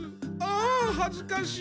あはずかしい！